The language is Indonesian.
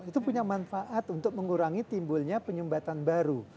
itu punya manfaat untuk mengurangi timbulnya penyumbatan baru